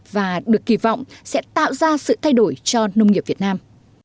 và được kỳ vọng sẽ tạo ra sự thay đổi cho nông nghiệp việt nam